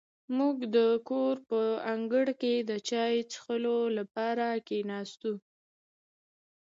موږ د کور په انګړ کې د چای څښلو لپاره کېناستو.